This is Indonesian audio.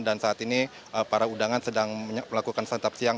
dan saat ini para udangan sedang melakukan santap siang